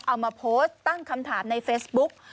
เอามาโพสต์ตั้งคำถามในเฟซบุ๊ก